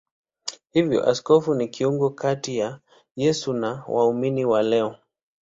Hivyo maaskofu ni kiungo kati ya Yesu na waumini wa leo.